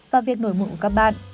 và việc nổi mụn của các bạn